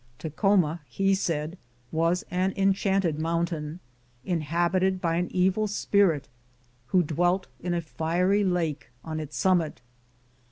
Takhoma, he said, was an enchanted mountain, inhabited by an evil spirit, who dwelt in a fiery lake on its summit.